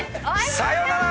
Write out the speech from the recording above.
さよなら！